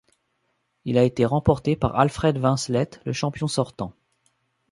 Il a été remporté par Alfred Vincelette, le champion sortant.